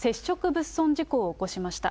物損事故を起こしました。